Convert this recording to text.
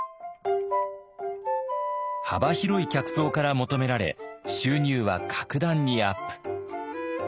幅広い客層から求められ収入は格段にアップ。